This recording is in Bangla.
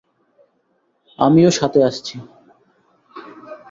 আমিও সাথে আসছি।